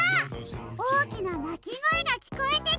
おおきななきごえがきこえてきそう！